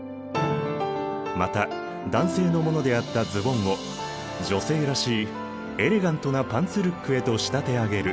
また男性のものであったズボンを女性らしいエレガントなパンツルックへと仕立て上げる。